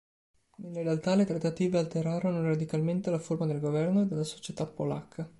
Nella realtà, le trattative alterarono radicalmente la forma del governo e della società polacca.